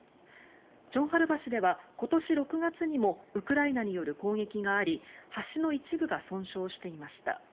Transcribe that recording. チョンハル橋では今年６月にもウクライナによる攻撃があり橋の一部が損傷していました。